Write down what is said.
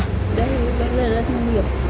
đấy đất này là đất nông nghiệp